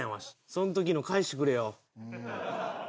その時の返してくれよ。